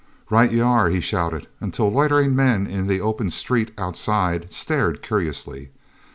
"Right ye are!" he shouted, until loitering men in the open "street" outside stared curiously.